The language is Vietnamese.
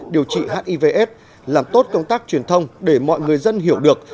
điều trị hivs làm tốt công tác truyền thông để mọi người dân hiểu được